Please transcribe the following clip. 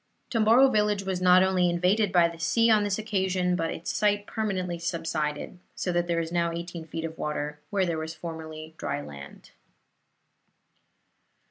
Tomboro village was not only invaded by the sea on this occasion, but its site permanently subsided; so that there is now eighteen feet of water where there was formerly dry land.